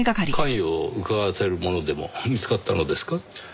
関与をうかがわせるものでも見つかったのですか？